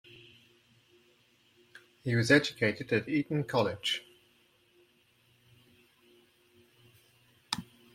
He was educated at Eton College.